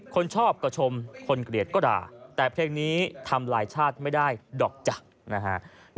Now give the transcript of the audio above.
คนชอบก็ชมคนเกลียดก็ด่าแต่เพลงนี้ทำลายชาติไม่ได้ดอกจักรนะฮะ